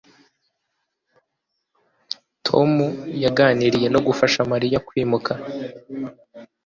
tom yaganiriye no gufasha mariya kwimuka